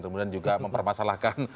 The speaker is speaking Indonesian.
kemudian juga mempermasalahkan